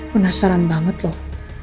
penasaran banget loh